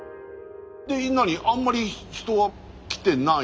何あんまり人は来てないの？